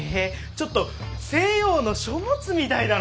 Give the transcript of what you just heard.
ちょっと西洋の書物みたいだな！